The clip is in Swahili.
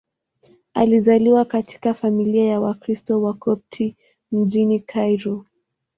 Alizaliwa katika familia ya Wakristo Wakopti mjini Kairo.